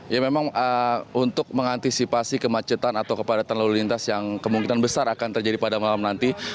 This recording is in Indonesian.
ya memang untuk mengantisipasi kemacetan atau kepadatan lalu lintas yang kemungkinan besar akan terjadi pada malam nanti